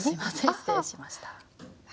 失礼しました。